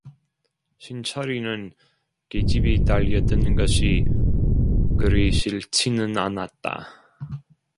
신철이는 계집이 달려드는 것이 그리 싫지는 않았다.